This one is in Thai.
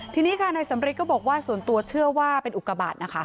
ทีนี้ค่ะนายสำริทก็บอกว่าส่วนตัวเชื่อว่าเป็นอุกบาทนะคะ